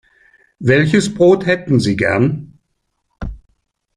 Welches Brot hätten Sie gern?